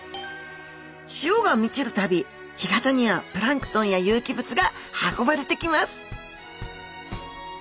潮が満ちるたび干潟にはプランクトンや有機物が運ばれてきます